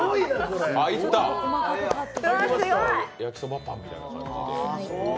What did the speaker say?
焼きそばパンみたいな感じで。